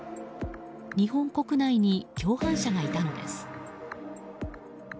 日本国内に共犯者がいたのです。